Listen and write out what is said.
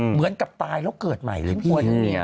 เหมือนกับตายแล้วเกิดใหม่เลยพี่